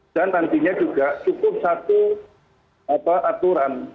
dan nantinya juga cukup satu aturan